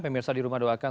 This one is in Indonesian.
pemirsa di rumah doakan